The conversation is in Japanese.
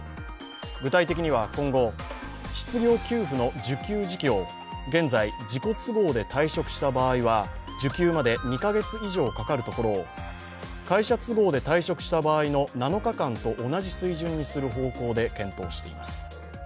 具体的には今後失業給付の受給時期を現在、自己都合で退職した場合は受給まで２か月以上かかるところを会社都合で退職した場合の７日間と同じ水準にする方向で検討しています。